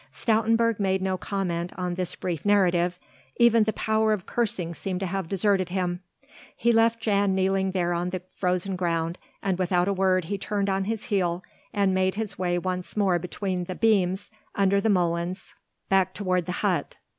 Stoutenburg made no comment on this brief narrative, even the power of cursing seemed to have deserted him. He left Jan kneeling there on the frozen ground, and without a word he turned on his heel and made his way once more between the beams under the molens back toward the hut.